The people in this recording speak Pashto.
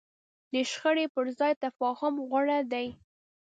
د شخړې پر ځای تفاهم غوره دی.